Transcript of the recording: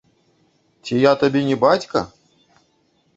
Ці я табе не бацька?